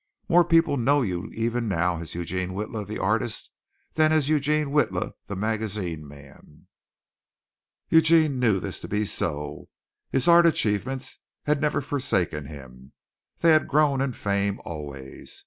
More people know you even now as Eugene Witla, the artist, than as Eugene Witla, the magazine man." Eugene knew this to be so. His art achievements had never forsaken him. They had grown in fame always.